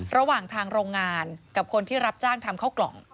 ระหว่างทางโรงงานกับคนที่รับจ้างทำเข้ากล่อง